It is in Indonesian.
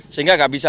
sehingga tidak bisa